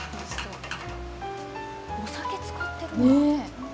お酒使ってるんだね。